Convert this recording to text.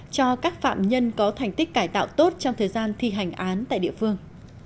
cho các phạm nhân có thành tích cải tạo tốt trong thời gian thi hành án tại địa phương